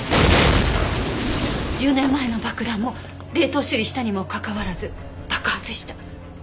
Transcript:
１０年前の爆弾も冷凍処理したにもかかわらず爆発した。